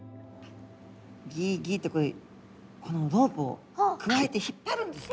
ギギってこのロープをくわえて引っ張るんですね。